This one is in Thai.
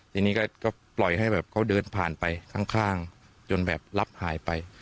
ทีนี้ก็ปล่อยให้แบบเขาเดินผ่านไปข้างจนแบบรับหายไป